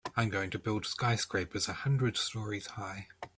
I'm going to build skyscrapers a hundred stories high.